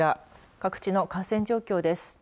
各地の感染状況です。